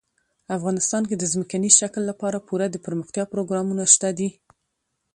افغانستان کې د ځمکني شکل لپاره پوره دپرمختیا پروګرامونه شته دي.